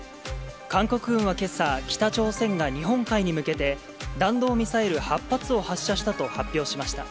韓国軍はけさ、北朝鮮が日本海に向けて弾道ミサイル８発を発射したと発表しました。